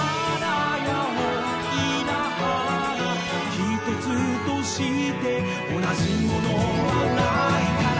「一つとして同じものはないから」